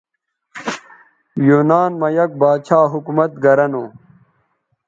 یونان مہ یک باچھا حکومت گرہ نو